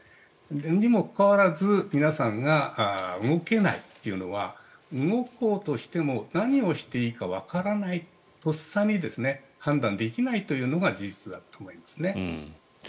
にもかかわらず皆さんが動けないというのは動こうとしても何をしていいかわからないとっさに判断できないというのが事実だと思いますね。